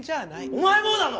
お前もなの！？